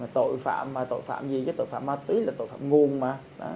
tội phạm mà tội phạm gì chứ tội phạm ma túy là tội phạm nguồn mà